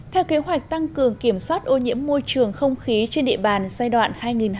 theo kế hoạch tăng cường kiểm soát ô nhiễm môi trường không khí trên địa bàn giai đoạn hai nghìn hai mươi một hai nghìn hai mươi năm